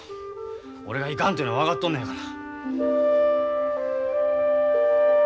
俺がいかんというのは分かっとんのやから。